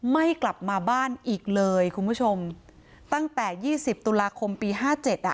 ไม่กลับมาบ้านอีกเลยคุณผู้ชมตั้งแต่๒๐ตุลาคมปี๕๗อ่ะ